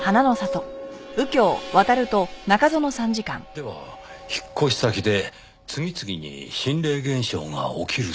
では引っ越し先で次々に心霊現象が起きると。